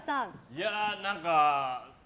いや、何か。